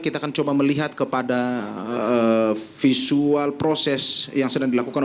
kita akan coba melihat kepada visual proses yang sedang dilakukan